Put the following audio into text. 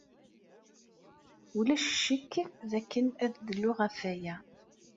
Ulac ccek dakken ad dluɣ ɣef waya.